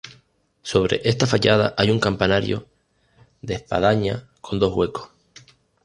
Sobre esta fachada hay un campanario de espadaña con dos huecos.